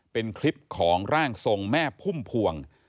เป็นคลิปของร่างทรงแม่พุ่มพวง